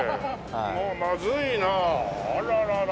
まずいなあららら。